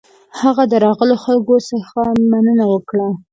هغه د راغلو خلکو څخه مننه وکړه.